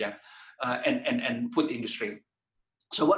dan industri makanan